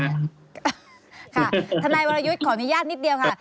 ค่ะทนายวรยุทธ์ขออนุญาตนิดเดียวค่ะ